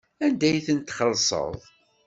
Anda ay ten-txellṣeḍ?